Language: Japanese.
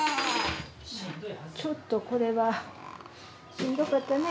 ちょっとこれはしんどかったね